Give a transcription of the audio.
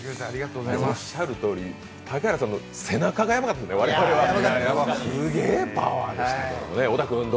おっしゃるとおり、竹原さんの背中がやばかった、すげえパワーでした。